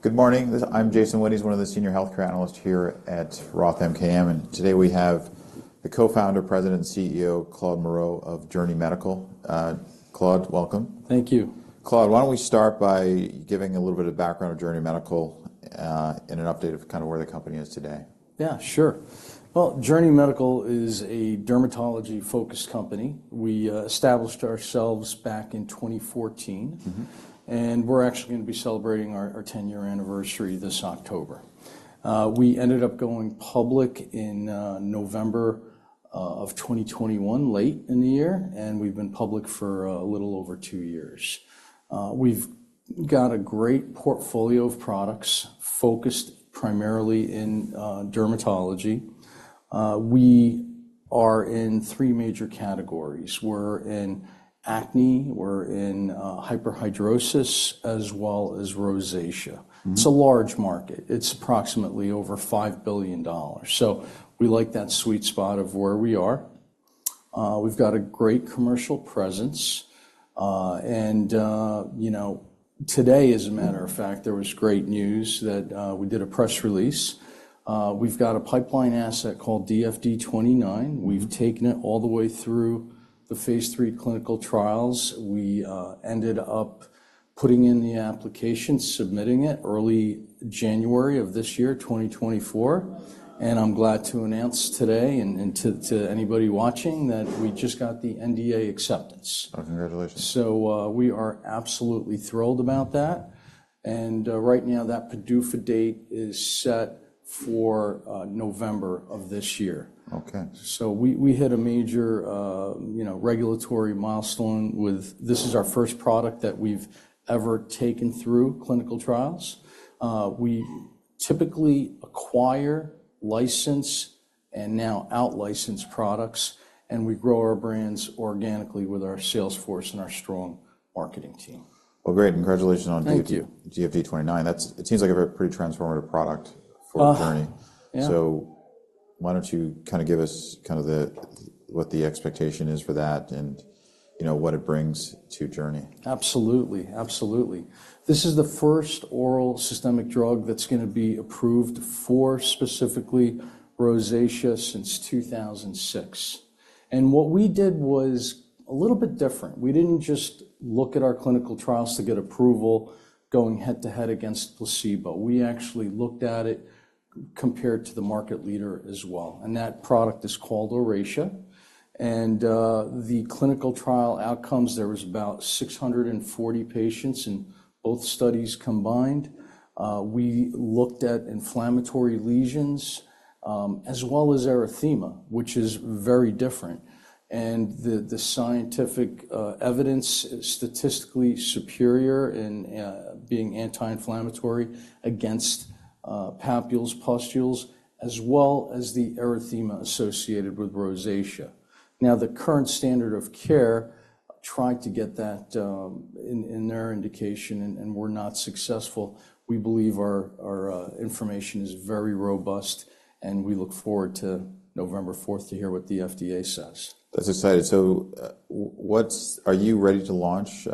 Good morning. I'm Jason Wittes, one of the senior healthcare analysts here at Roth MKM, and today we have the Co-Founder, President, and CEO Claude Maraoui of Journey Medical. Claude, welcome. Thank you. Claude, why don't we start by giving a little bit of background of Journey Medical, and an update of kind of where the company is today? Yeah, sure. Well, Journey Medical is a dermatology-focused company. We established ourselves back in 2014. Mm-hmm. We're actually going to be celebrating our 10 year anniversary this October. We ended up going public in November of 2021, late in the year, and we've been public for a little over two years. We've got a great portfolio of products focused primarily in dermatology. We are in three major categories. We're in acne, we're in hyperhidrosis, as well as rosacea. Mm-hmm. It's a large market. It's approximately over $5 billion. So we like that sweet spot of where we are. We've got a great commercial presence, and, you know, today, as a matter of fact, there was great news that we did a press release. We've got a pipeline asset called DFD-29. We've taken it all the way through the phase III clinical trials. We ended up putting in the application, submitting it early January of this year, 2024, and I'm glad to announce today and to anybody watching that we just got the NDA acceptance. Oh, congratulations. So, we are absolutely thrilled about that. Right now that PDUFA date is set for November of this year. Okay. So we hit a major, you know, regulatory milestone with this. This is our first product that we've ever taken through clinical trials. We typically acquire, license, and now out-license products, and we grow our brands organically with our sales force and our strong marketing team. Well, great. Congratulations on DFD- Thank you. -DFD-29. That's it. It seems like a very pretty transformative product for Journey. yeah. So why don't you kind of give us kind of what the expectation is for that and, you know, what it brings to Journey? Absolutely. Absolutely. This is the first oral systemic drug that's going to be approved for specifically rosacea since 2006. And what we did was a little bit different. We didn't just look at our clinical trials to get approval going head-to-head against placebo. We actually looked at it compared to the market leader as well. And that product is called Oracea. And the clinical trial outcomes, there was about 640 patients in both studies combined. We looked at inflammatory lesions, as well as erythema, which is very different. And the scientific evidence is statistically superior in being anti-inflammatory against papules, pustules, as well as the erythema associated with rosacea. Now, the current standard of care tried to get that in their indication, and we're not successful. We believe our information is very robust, and we look forward to November 4th to hear what the FDA says. That's exciting. So, what are you ready to launch,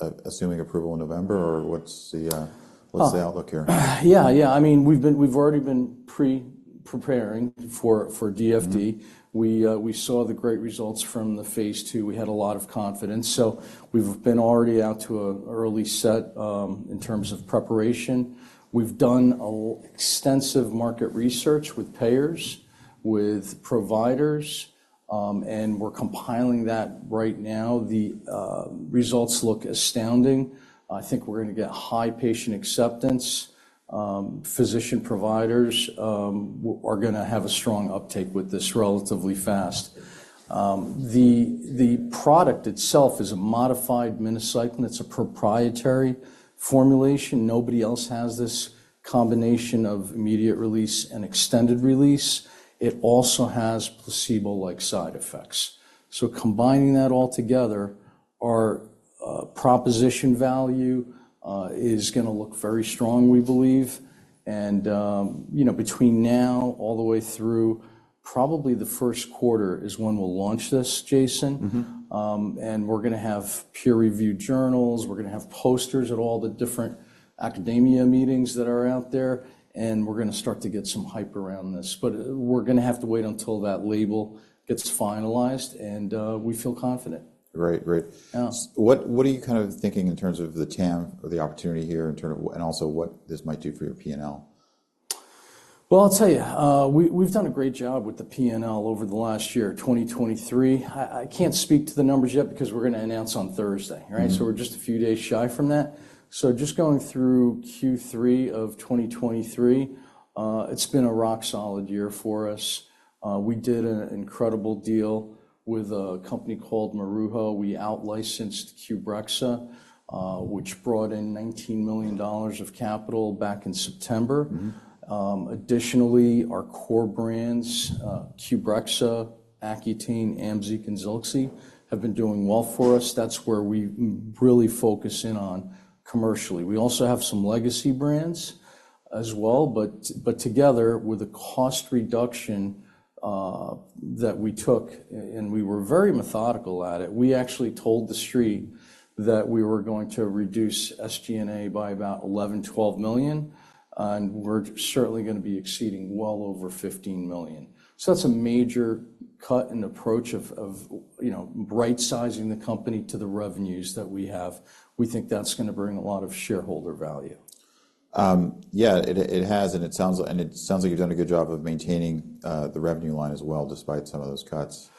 assuming approval in November, or what's the outlook here? Yeah, yeah. I mean, we've already been preparing for DFD. We saw the great results from the phase II. We had a lot of confidence. So we've already been out to an early start, in terms of preparation. We've done an extensive market research with payers, with providers, and we're compiling that right now. The results look outstanding. I think we're going to get high patient acceptance. Physicians, providers, we are going to have a strong uptake with this relatively fast. The product itself is a modified minocycline. It's a proprietary formulation. Nobody else has this combination of immediate release and extended release. It also has placebo-like side effects. So combining that all together, our value proposition is going to look very strong, we believe. And, you know, between now all the way through, probably the first quarter is when we'll launch this, Jason. Mm-hmm. We're going to have peer-reviewed journals. We're going to have posters at all the different academic meetings that are out there, and we're going to start to get some hype around this. But we're going to have to wait until that label gets finalized, and we feel confident. Great. Great. Yeah. What, what are you kind of thinking in terms of the TAM or the opportunity here in terms of and also what this might do for your P&L? Well, I'll tell you, we've done a great job with the P&L over the last year, 2023. I can't speak to the numbers yet because we're going to announce on Thursday, right? Mm-hmm. So we're just a few days shy from that. So just going through Q3 of 2023, it's been a rock-solid year for us. We did an incredible deal with a company called Maruho. We out-licensed Qbrexza, which brought in $19 million of capital back in September. Mm-hmm. Additionally, our core brands, Qbrexza, Accutane, Amzeeq, and Zilxi, have been doing well for us. That's where we really focus in on commercially. We also have some legacy brands as well, but together, with a cost reduction that we took and we were very methodical at it, we actually told the street that we were going to reduce SG&A by about $11-$12 million, and we're certainly going to be exceeding well over $15 million. So that's a major cut in approach of, you know, right-sizing the company to the revenues that we have. We think that's going to bring a lot of shareholder value. Yeah, it has, and it sounds like you've done a good job of maintaining the revenue line as well despite some of those cuts.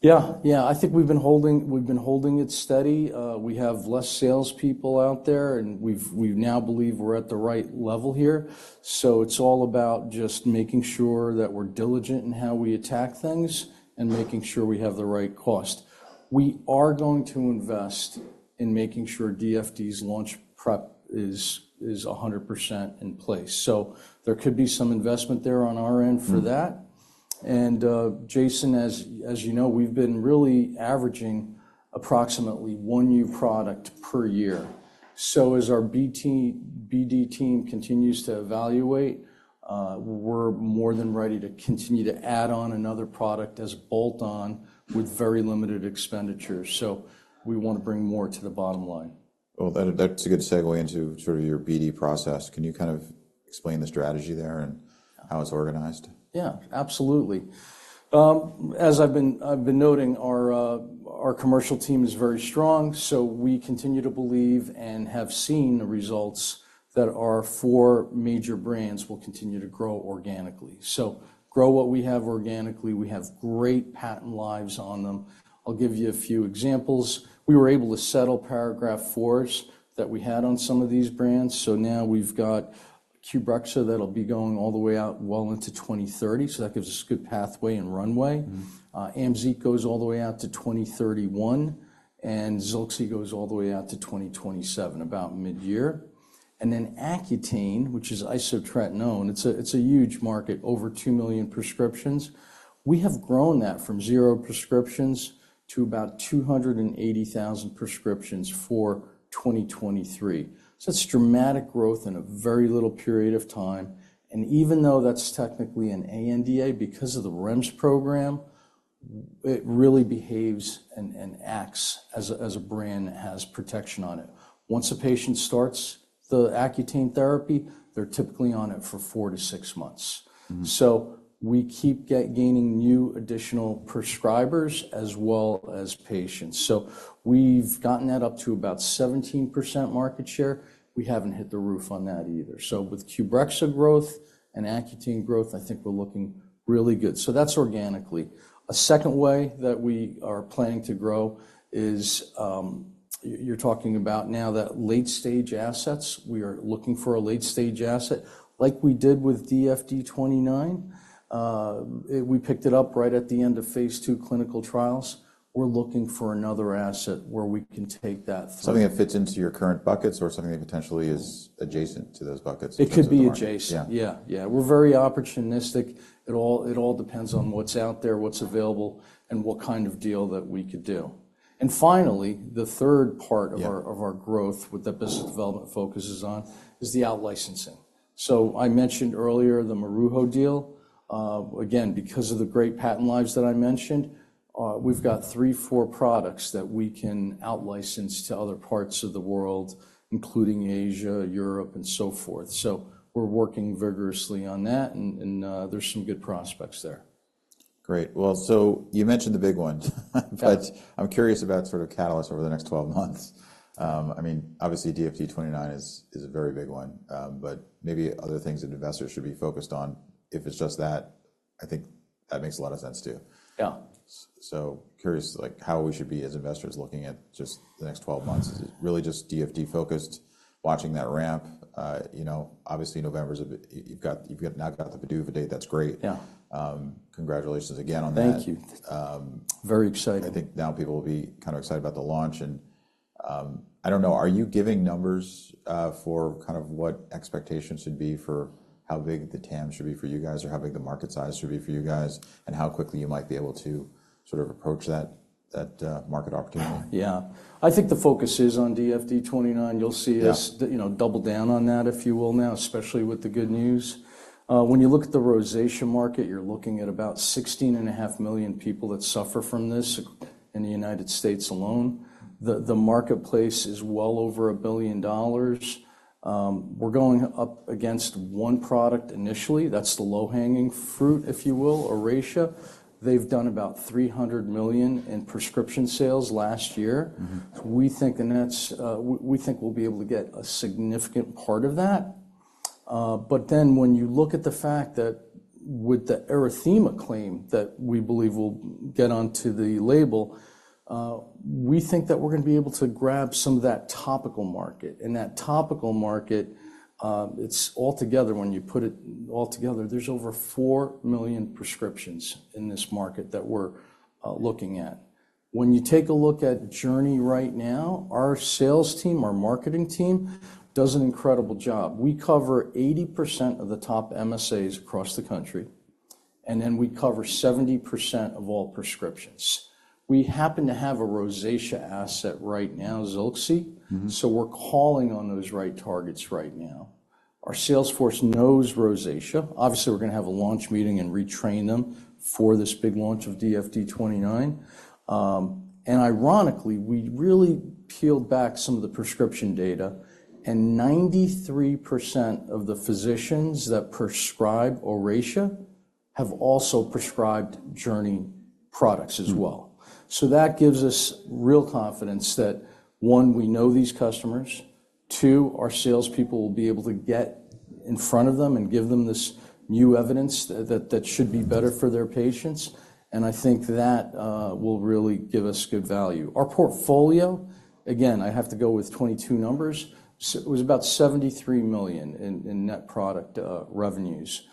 Yeah. Yeah. I think we've been holding it steady. We have less salespeople out there, and we've now believe we're at the right level here. So it's all about just making sure that we're diligent in how we attack things and making sure we have the right cost. We are going to invest in making sure DFD's launch prep is 100% in place. So there could be some investment there on our end for that. And, Jason, as you know, we've been really averaging approximately one new product per year. So as our BD team continues to evaluate, we're more than ready to continue to add on another product as a bolt-on with very limited expenditure. So we want to bring more to the bottom line. Well, that's a good segue into sort of your BD process. Can you kind of explain the strategy there and how it's organized? Yeah, absolutely. As I've been noting, our commercial team is very strong, so we continue to believe and have seen the results that our four major brands will continue to grow organically. So grow what we have organically. We have great patent lives on them. I'll give you a few examples. We were able to settle Paragraph IV that we had on some of these brands. So now we've got Qbrexza that'll be going all the way out well into 2030, so that gives us a good pathway and runway. Mm-hmm. Amzeeq goes all the way out to 2031, and Zilxi goes all the way out to 2027, about mid-year. And then Accutane, which is isotretinoin, it's a huge market, over 2 million prescriptions. We have grown that from 0 prescriptions to about 280,000 prescriptions for 2023. So that's dramatic growth in a very little period of time. And even though that's technically an ANDA, because of the REMS program, with it really behaves and acts as a brand has protection on it. Once a patient starts the Accutane therapy, they're typically on it for four to six months. Mm-hmm. So we keep gaining new additional prescribers as well as patients. So we've gotten that up to about 17% market share. We haven't hit the roof on that either. So with Qbrexza growth and Accutane growth, I think we're looking really good. So that's organically. A second way that we are planning to grow is, you're talking about now that late-stage assets. We are looking for a late-stage asset. Like we did with DFD-29, we picked it up right at the end of phase II clinical trials. We're looking for another asset where we can take that through. Something that fits into your current buckets or something that potentially is adjacent to those buckets? It could be adjacent. Yeah. Yeah, yeah. We're very opportunistic. It all depends on what's out there, what's available, and what kind of deal that we could do. And finally, the third part of our- Mm-hmm. Of our growth, what that business development focuses on, is the out-licensing. So I mentioned earlier the Maruho deal. Again, because of the great patent lives that I mentioned, we've got 3 to 4 products that we can out-license to other parts of the world, including Asia, Europe, and so forth. So we're working vigorously on that, and there's some good prospects there. Great. Well, so you mentioned the big one, but I'm curious about sort of catalysts over the next 12 months. I mean, obviously, DFD-29 is, is a very big one, but maybe other things that investors should be focused on. If it's just that, I think that makes a lot of sense too. Yeah. So curious, like, how we should be as investors looking at just the next 12 months. Is it really just DFD-focused, watching that ramp? You know, obviously, November's a big. You've got the PDUFA date now. That's great. Yeah. Congratulations again on that. Thank you. Very exciting. I think now people will be kind of excited about the launch. And I don't know, are you giving numbers for kind of what expectations should be for how big the TAM should be for you guys or how big the market size should be for you guys and how quickly you might be able to sort of approach that market opportunity? Yeah. I think the focus is on DFD-29. You'll see us. Yes. Do you know, double down on that, if you will, now, especially with the good news. When you look at the rosacea market, you're looking at about 16.5 million people that suffer from this in the United States alone. The marketplace is well over $1 billion. We're going up against one product initially. That's the low-hanging fruit, if you will, Oracea. They've done about $300 million in prescription sales last year. Mm-hmm. We think and that's, we think we'll be able to get a significant part of that. But then when you look at the fact that with the erythema claim that we believe will get onto the label, we think that we're going to be able to grab some of that topical market. And that topical market, it's altogether when you put it altogether, there's over 4 million prescriptions in this market that we're looking at. When you take a look at Journey right now, our sales team, our marketing team does an incredible job. We cover 80% of the top MSAs across the country, and then we cover 70% of all prescriptions. We happen to have a rosacea asset right now, Zilxi. Mm-hmm. So we're calling on those right targets right now. Our sales force knows rosacea. Obviously, we're going to have a launch meeting and retrain them for this big launch of DFD-29. And ironically, we really peeled back some of the prescription data, and 93% of the physicians that prescribe Oracea have also prescribed Journey products as well. So that gives us real confidence that, one, we know these customers; two, our salespeople will be able to get in front of them and give them this new evidence that should be better for their patients. And I think that will really give us good value. Our portfolio, again, I have to go with 2022 numbers, so it was about $73 million in net product revenues.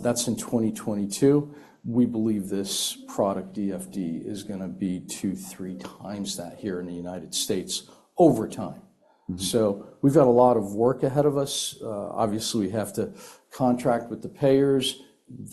That's in 2022. We believe this product DFD-29 is going to be 2 to 3 times that here in the United States over time. Mm-hmm. So we've got a lot of work ahead of us. Obviously, we have to contract with the payers.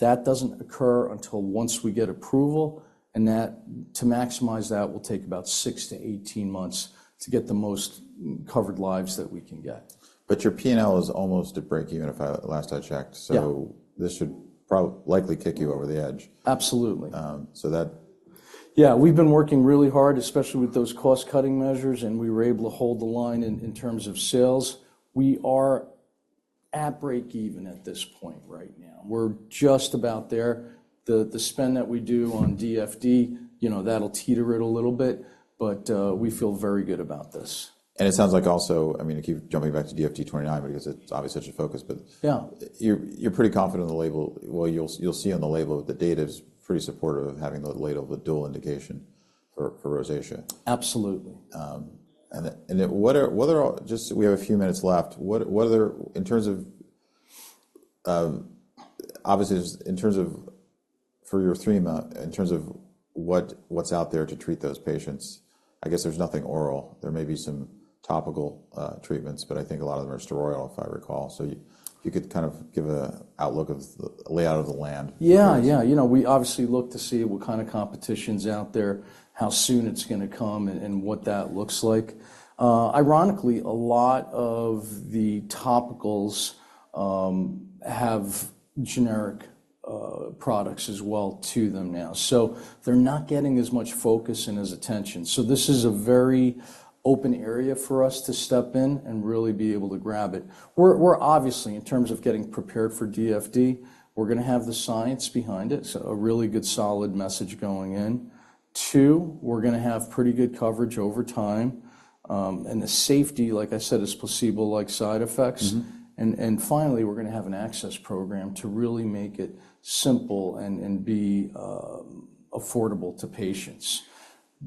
That doesn't occur until once we get approval, and that, to maximize that, will take about 6 to 18 months to get the most covered lives that we can get. But your P&L is almost at break-even last I checked. Yeah. So this should probably kick you over the edge. Absolutely. so that. Yeah. We've been working really hard, especially with those cost-cutting measures, and we were able to hold the line in terms of sales. We are at break even at this point right now. We're just about there. The spend that we do on DFD, you know, that'll teeter it a little bit, but we feel very good about this. It sounds like also I mean, I keep jumping back to DFD-29, but I guess it's obviously such a focus, but. Yeah. You're pretty confident in the label. Well, you'll see on the label, the data's pretty supportive of having the label of a dual indication for rosacea. Absolutely. We have a few minutes left. What's out there in terms of, obviously, in terms of for your erythema, in terms of what's out there to treat those patients, I guess there's nothing oral. There may be some topical treatments, but I think a lot of them are steroidal, if I recall. So you could kind of give an outlook of the lay of the land. Yeah. Yeah. You know, we obviously look to see what kind of competition's out there, how soon it's going to come, and what that looks like. Ironically, a lot of the topicals have generic products as well to them now. So they're not getting as much focus and as attention. So this is a very open area for us to step in and really be able to grab it. We're obviously in terms of getting prepared for DFD, we're going to have the science behind it, so a really good solid message going in. Two, we're going to have pretty good coverage over time, and the safety, like I said, is placebo-like side effects. Mm-hmm. And finally, we're going to have an access program to really make it simple and be affordable to patients.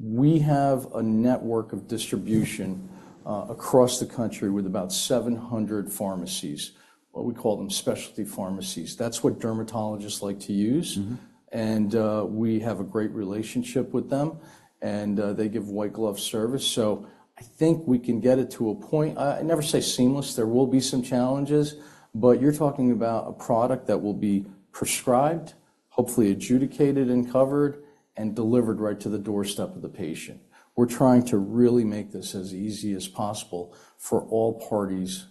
We have a network of distribution across the country with about 700 pharmacies, what we call them specialty pharmacies. That's what dermatologists like to use. Mm-hmm. We have a great relationship with them, and they give white glove service. So I think we can get it to a point. I never say seamless. There will be some challenges, but you're talking about a product that will be prescribed, hopefully adjudicated and covered, and delivered right to the doorstep of the patient. We're trying to really make this as easy as possible for all parties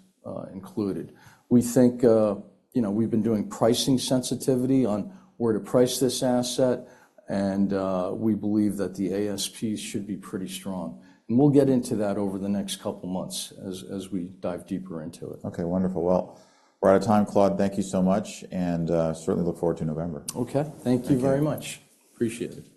involved. We think, you know, we've been doing pricing sensitivity on where to price this asset, and we believe that the ASPs should be pretty strong. We'll get into that over the next couple months as we dive deeper into it. Okay. Wonderful. Well, we're out of time, Claude. Thank you so much, and certainly look forward to November. Okay. Thank you very much. Appreciate it.